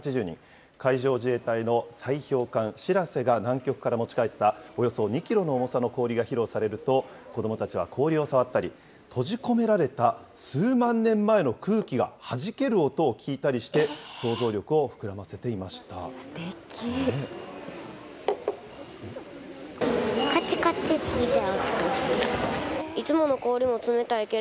海上自衛隊の砕氷艦しらせが南極から持ち帰ったおよそ２キロの重さの氷が披露されると、子どもたちは氷を触ったり、閉じ込められた数万年前の空気がはじける音を聞いたりして、想像力を膨らませすてき。